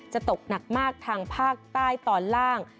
จะตกหนักมากทางภาคใต้ตอนล่าง